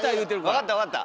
分かった分かった。